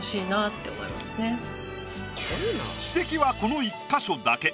指摘はこの１か所だけ。